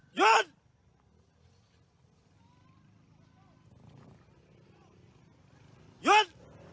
หยุด